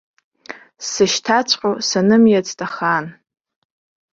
Сзышьҭаҵәҟьоу санымиацт ахаан.